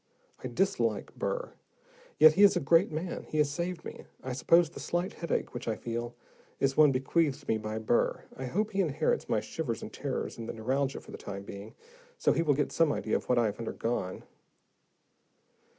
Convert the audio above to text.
I dislike Burr yet he is a great man. He has saved me. I suppose the slight headache which I feel is one bequeathed me by Burr. I hope he inherits my shivers and terrors and the neuralgia for the time being, so he will get some idea of what I have undergone."